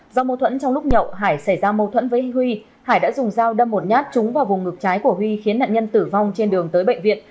do mâu thuẫn trong lúc nhậu hải xảy ra mâu thuẫn với huy hải đã dùng dao đâm một nhát trúng vào vùng ngực trái của huy khiến nạn nhân tử vong trên đường tới bệnh viện